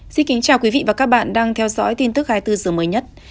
xin kính chào quý vị và các bạn đang theo dõi tin tức hai mươi bốn h mới nhất